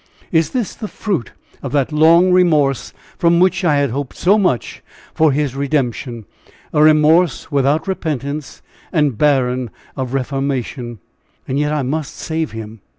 Is this the fruit of that long remorse, from which I had hoped so much for his redemption a remorse without repentance, and barren of reformation! Yet I must save him."